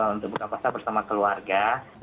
untuk buka puasa bersama keluarga